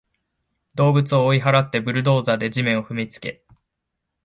動物を追い払って、ブルドーザーで地面を踏みつけ